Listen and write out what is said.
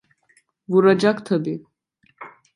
Vuracak tabii.